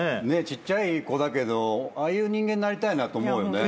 ちっちゃい子だけどああいう人間になりたいなと思うよね。